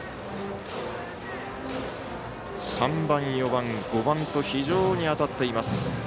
３番、４番、５番と非常に当たっています。